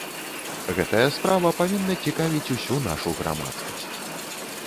Гэтая справа павінна цікавіць усю нашу грамадскасць.